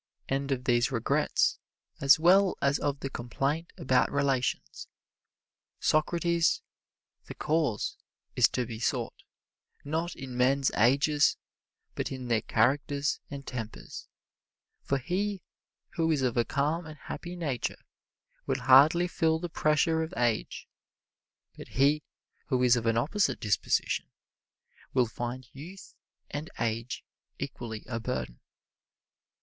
And of these regrets, as well as of the complaint about relations, Socrates, the cause is to be sought, not in men's ages, but in their characters and tempers; for he who is of a calm and happy nature will hardly feel the pressure of age, but he who is of an opposite disposition will find youth and age equally a burden.